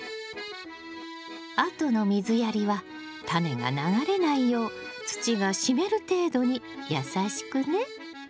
あとの水やりはタネが流れないよう土が湿る程度にやさしくね！